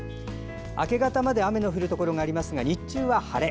明け方まで雨の降るところがありますが日中は晴れ。